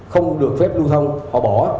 không được phép lưu thông họ bỏ